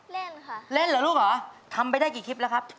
เล่นค่ะเล่นเหรอลูกเหรอทำไปได้กี่คลิปแล้วครับ